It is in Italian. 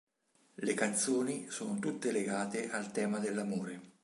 Le canzoni sono tutte legate al tema dell'amore.